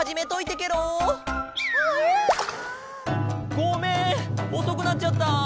ごめんおそくなっちゃった。